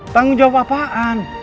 tanggung jawab apaan